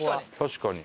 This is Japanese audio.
確かに。